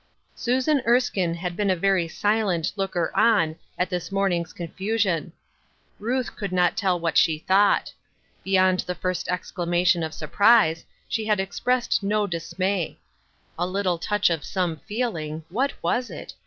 Susan Erskine had been a very silent looker on at this morning's confusion Ruth could not tell what she thouaiht. Beyond the first exclar 1S8 Ruth Erskines Crosses. matiou of surprise, she had expressed no dismay. A little touch of some feeling (what was it